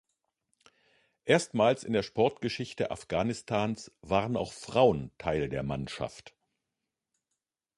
Erstmals in der Sportgeschichte Afghanistans waren auch Frauen Teil der Mannschaft.